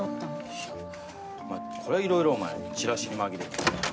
いやこれはいろいろお前チラシに紛れて。